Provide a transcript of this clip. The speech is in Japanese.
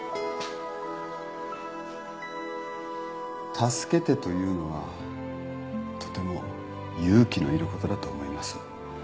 「助けて」と言うのはとても勇気のいることだと思います。